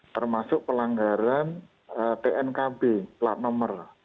termasuk pelanggaran tnkb plat nomor